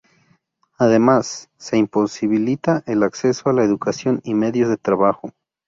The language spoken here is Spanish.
Además se imposibilita el acceso a la educación y medios de trabajo.